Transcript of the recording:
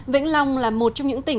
vĩnh long là một trong những tỉnh